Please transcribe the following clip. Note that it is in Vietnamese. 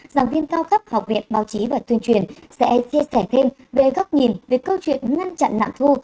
giảng viên cao cấp học viện báo chí và tuyên truyền sẽ chia sẻ thêm về góc nhìn về câu chuyện ngăn chặn nạn thu